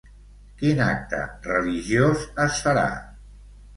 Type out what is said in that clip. Quin acte religiós es farà?